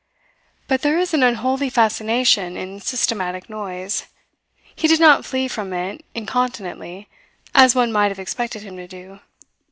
But there is an unholy fascination in systematic noise. He did not flee from it incontinently, as one might have expected him to do.